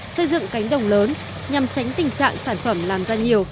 xây dựng cánh đồng lớn nhằm tránh tình trạng sản phẩm làm ra nhiều